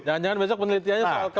jangan jangan besok penelitiannya